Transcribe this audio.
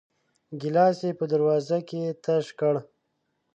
ګيلاس يې په دروازه کې تش کړ.